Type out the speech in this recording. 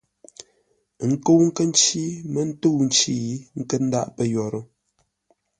Ə́ nkə́u nkə́ ncí mə́ ntə̂u nci, ə́ nkə́ ndáʼ pə́ yórə́.